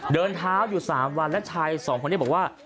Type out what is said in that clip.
เดินเท้าอยู่๓วันแล้วชายสองคนนี้บอกว่า